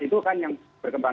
itu kan yang berkembang